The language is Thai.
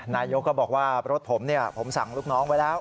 นายกก็บอกว่ารถผมผมสั่งลูกน้องไว้แล้ว